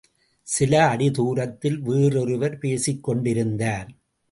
சில அடி துரத்தில் வேறொருவர் பேசிக்கொண்டிருந்தார்.